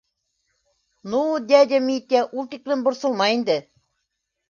— Ну, дядя Митя, ул тиклем борсолма инде.